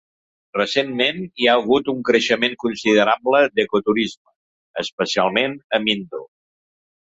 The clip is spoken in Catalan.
Recentment hi ha hagut un creixement considerable d'eco-turisme, especialment a Mindo.